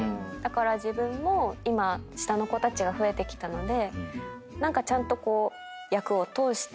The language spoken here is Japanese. だから自分も今下の子たちが増えてきたので何かちゃんとこう。